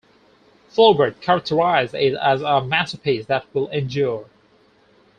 Flaubert characterized it as a masterpiece that will endure.